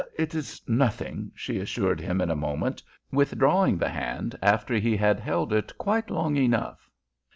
"It is nothing," she assured him in a moment, withdrawing the hand after he had held it quite long enough.